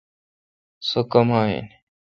سوکما این۔